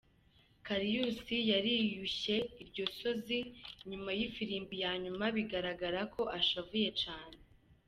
Karius yariyushe iryosozi inyuma y'ifirimbi ya nyuma, bigaragara ko ashavuye cane.